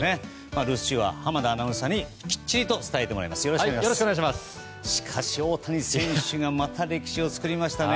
留守中は濱田アナウンサーにきっちりと伝えてもらいます。